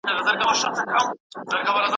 ایپي فقیر د ازادۍ د لاري ستر مبارز!